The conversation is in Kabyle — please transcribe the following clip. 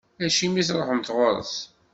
Acimi i truḥemt ɣur-s.